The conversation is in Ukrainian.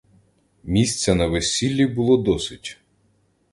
Місця на весіллі було досить.